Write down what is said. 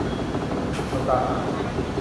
อีกคนตามอ่าน